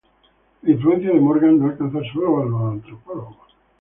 La influencia de Morgan no alcanzó sólo a los antropólogos.